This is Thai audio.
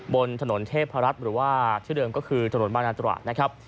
บนถนนเทพรัฐหรือว่าชื่อเดิมก็คือถนนบางนาตรานะครับ